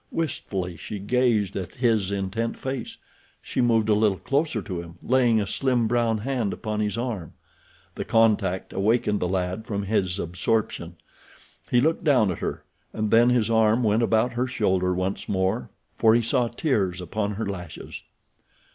Wistfully she gazed at his intent face. She moved a little closer to him, laying a slim, brown hand upon his arm. The contact awakened the lad from his absorption. He looked down at her, and then his arm went about her shoulder once more, for he saw tears upon her lashes.